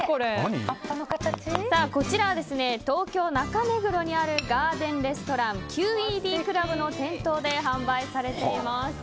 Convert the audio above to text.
こちらは東京・中目黒にあるガーデンレストランＱ．Ｅ．Ｄ．ＣＬＵＢの店頭で販売されています。